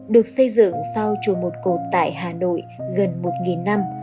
được xây dựng sau chùa một cột tại hà nội gần một năm